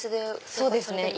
そうですね。